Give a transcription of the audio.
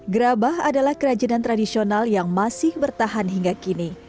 gerabah adalah kerajinan tradisional yang masih bertahan hingga kini